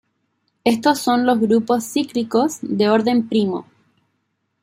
Estos son los grupos cíclicos de orden primo.